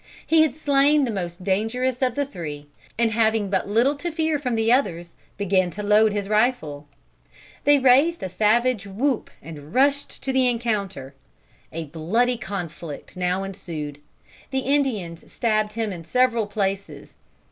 He had slain the most dangerous of the three, and having but little to fear from the others, began to load his rifle. They raised a savage whoop and rushed to the encounter. A bloody conflict now ensued. The Indians stabbed him in several places.